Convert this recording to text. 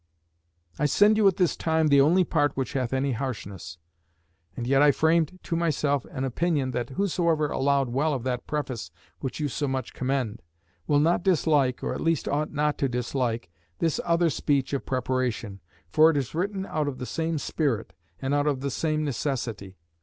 "I send you at this time the only part which hath any harshness; and yet I framed to myself an opinion, that whosoever allowed well of that preface which you so much commend, will not dislike, or at least ought not to dislike, this other speech of preparation; for it is written out of the same spirit, and out of the same necessity.